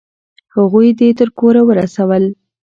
هغوی دې تر کوره ورسول؟